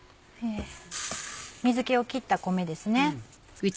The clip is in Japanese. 水気を切った米です。